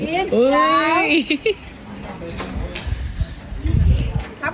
ขอบคุณครับ